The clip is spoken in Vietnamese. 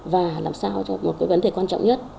và làm sao cho một cái vấn đề quan trọng nhất